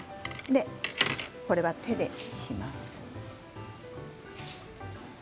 これは手でします。